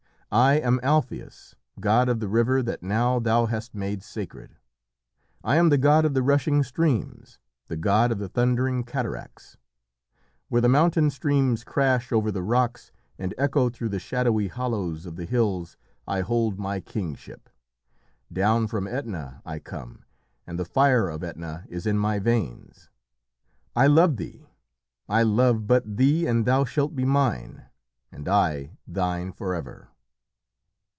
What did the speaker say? "I am Alpheus, god of the river that now thou hast made sacred. I am the god of the rushing streams the god of the thundering cataracts. Where the mountain streams crash over the rocks and echo through the shadowy hollows of the hills, I hold my kingship. Down from Etna I come, and the fire of Etna is in my veins. I love thee! I love but thee, and thou shalt be mine, and I thine forever."